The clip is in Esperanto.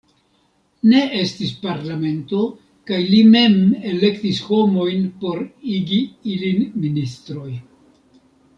Ne estis parlamento kaj li mem elektis homojn por igi ilin ministroj.